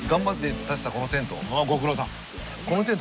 ご苦労さん。